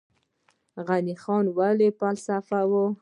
غني خان ولې فلسفي و؟